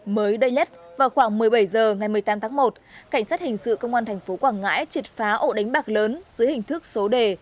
mới đây nhất vào khoảng một mươi bảy h ngày một mươi tám tháng một cảnh sát hình sự công an tp quảng ngãi triệt phá ổ đánh bạc lớn dưới hình thức số đề